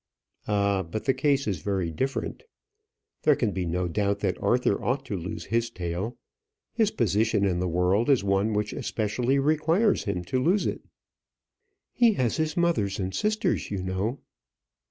"Ah! but the case is very different. There can be no doubt that Arthur ought to lose his tail. His position in the world is one which especially requires him to lose it." "He has his mother and sisters, you know."